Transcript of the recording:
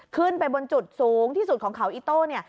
ขึ้นไปบนจุดสูงที่สุดของเขาอิโต้เนี่ย